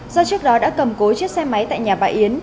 do trước đó đã cầm cố chiếc xe máy tại nhà bà yến